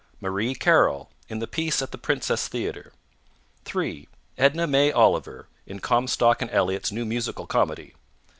Marie Carroll, in the piece at the Princess Theatre. 3. Edna May Oliver, in Comstock and Elliott's new musical comedy.